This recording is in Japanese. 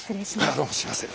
あどうもすいません。